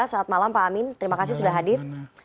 selamat malam pak amin terima kasih sudah hadir